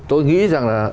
tôi nghĩ rằng là